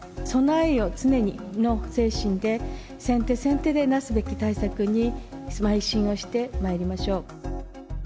備えよ常にの精神で、先手先手でなすべき対策にまい進をしてまいりましょう。